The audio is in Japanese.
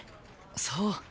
そう。